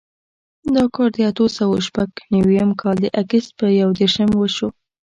دا کار د اتو سوو شپږ نوېم کال د اګست په یودېرشم وشو.